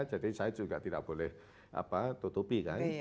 jadi saya juga tidak boleh tutupi kan